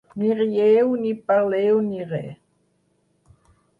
Ni rieu ni parleu ni re.